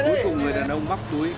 cuối cùng người đàn ông móc túi